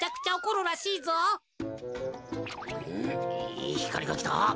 いいひかりがきた。